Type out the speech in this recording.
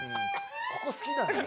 ここ好きなんだね。